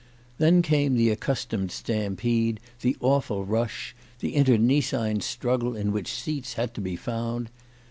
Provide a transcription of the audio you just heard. Then came the accustomed stam pede, the awful rush, the internecine struggle in which seats had to be found.